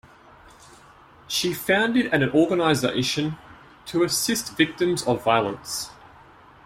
She founded an organization to assist victims of violence.